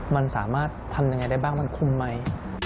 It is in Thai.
มันสามารถทำยังไงได้บ้างมันคุ้มไหม